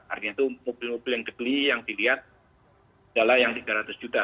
artinya itu mobil mobil yang dibeli yang dilihat adalah yang tiga ratus juta